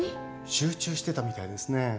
集中してたみたいですね。